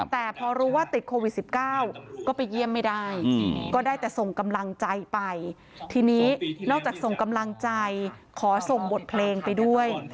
แต่พอรู้ว่าติดโควิด๑๙ก็ไปเยี่ยมไม่ได้ก็ได้แต่ส่งกำลังใจไปทีนี้นอกจากส่งกำลังใจขอส่งบทเพลงไปด้วย